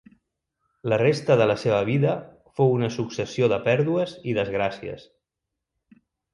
La resta de la seva vida fou una successió de pèrdues i desgràcies.